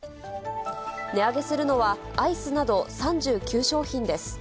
値上げするのは、アイスなど３９商品です。